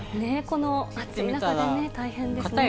この暑い中でね、大変ですね。